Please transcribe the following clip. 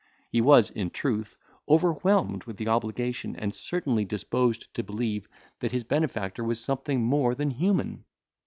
He was, in truth, overwhelmed with the obligation, and certainly disposed to believe that his benefactor was something more than human.